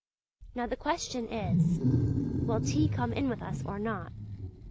Now the question is, will T. come in with us or not?...